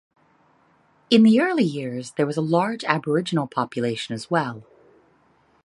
In the early years there was a large Aboriginal population as well.